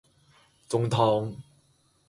中湯